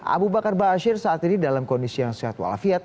abu bakar ba'asyir saat ini dalam kondisi yang sehat walafiat